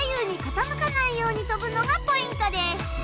ように跳ぶのがポイントです。